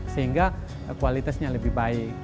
sehingga kualitasnya lebih baik